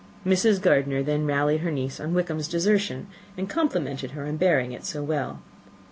Mrs. Gardiner then rallied her niece on Wickham's desertion, and complimented her on bearing it so well.